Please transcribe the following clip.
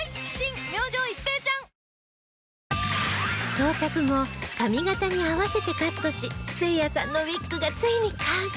装着後髪形に合わせてカットしせいやさんのウィッグがついに完成